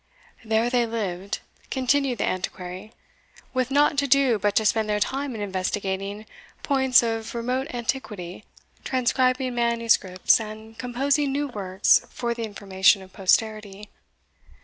"There they lived," continued the Antiquary, "with nought to do but to spend their time in investigating points of remote antiquity, transcribing manuscripts, and composing new works for the information of posterity."